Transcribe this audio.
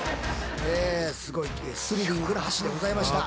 すごいスリリングな橋でございました。